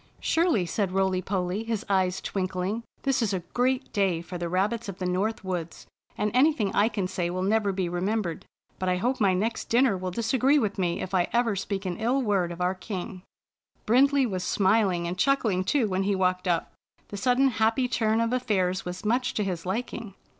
" Surely," said Roily Polly, his eyes twinkling, "this is a great day for the rabbits of the North Woods, and anything I can say will never be re membered. But I hope my next dinner will dis 92 Bumper wins Spotted Tail's Fri^dship 93 agi'ee with me if I ever speak an ill word of our king." Brindley was smiling and chuckling too, when he walked up. The sudden happy turn of affairs was much to his liking.